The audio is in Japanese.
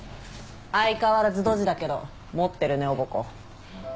相変わらずドジだけど持ってるねおぼこ。